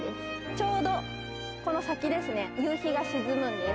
ちょうどこの先ですね、夕日が沈むんです。